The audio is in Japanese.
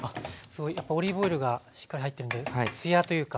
やっぱオリーブオイルがしっかり入ってるんでツヤというか。